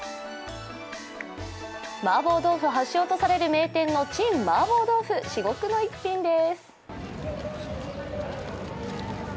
マーボー豆腐発祥とされる名店の陳麻婆豆腐、至極の１品です。